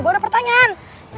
gue ada pertanyaan